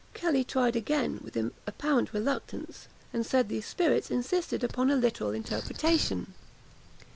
Kelly tried again, with apparent reluctance, and said the spirits insisted upon the literal interpretation.